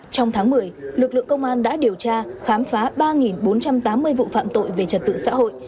trong tháng một mươi lực lượng công an đã điều tra khám phá ba bốn trăm tám mươi vụ phạm tội về trật tự xã hội